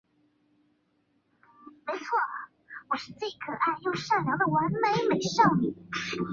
奥勒良生于罗马帝国的达西亚行省或潘诺尼亚行省。